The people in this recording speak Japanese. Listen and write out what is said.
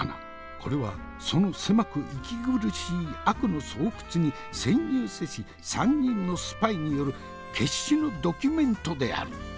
これはその狭く息苦しい悪の巣窟に潜入せし３人のスパイによる決死のドキュメントである。